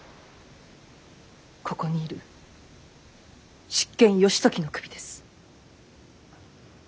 ここにいる執権義時の首です。